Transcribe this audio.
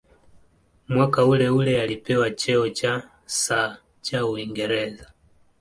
Mwaka uleule alipewa cheo cha "Sir" cha Uingereza.